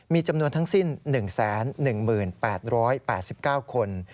มีจำนวนทั้งสิ้น๑๑๘๘๙คน